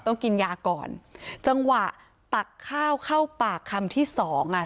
ต้องกินยาก่อนจังหวะตักข้าวเข้าปากคำที่สองอ่ะ